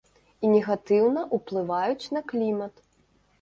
І негатыўна ўплываюць на клімат.